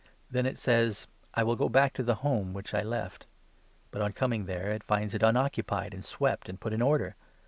Then it says ' I will go back to the home which I left '; but, 44 on coming there, it finds it unoccupied, and swept, and put in order.